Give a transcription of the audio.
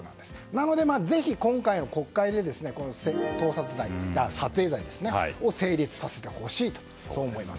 なのでぜひ今回の国会で撮影罪を成立させてほしいとそう思います。